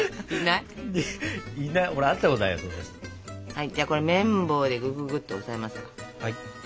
はいじゃあこれ麺棒でぐぐぐっと押さえます。